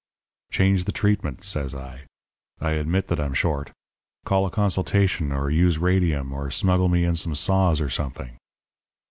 "'Change the treatment,' says I. 'I admit that I'm short. Call a consultation or use radium or smuggle me in some saws or something.'